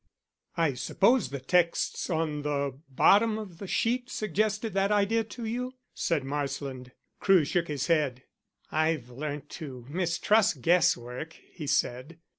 "I suppose the texts on the bottom of the sheet suggested that idea to you?" said Marsland. Crewe shook his head. "I've learnt to mistrust guesswork," he said.